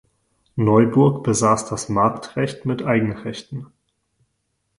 Neuburg besaß das Marktrecht mit Eigenrechten.